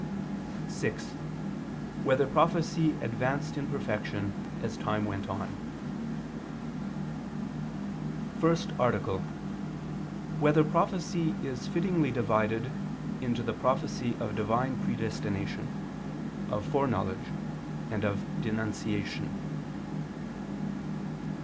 (6) Whether prophecy advanced in perfection as time went on? _______________________ FIRST ARTICLE [II II, Q. 174, Art. 1] Whether Prophecy Is Fittingly Divided into the Prophecy of Divine Predestination, of Foreknowledge, and of Denunciation?